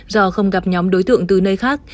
do không gặp nhóm đối tượng từ nơi khác